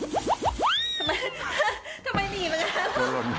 ทำไมทำไมหนีไปได้ครับ